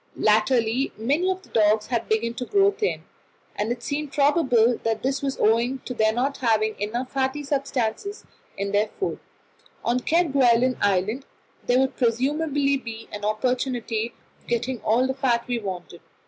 Latterly many of the dogs had begun to grow thin, and it seemed probable that this was owing to their not having enough fatty substances in their food; on Kerguelen Island there would presumably be an opportunity of getting all the fat we wanted.